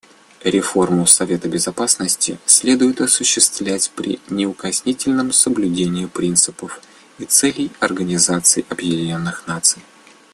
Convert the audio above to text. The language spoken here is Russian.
Реформу Совета Безопасности следует осуществлять при неукоснительном соблюдении принципов и целей Организации Объединенных Наций.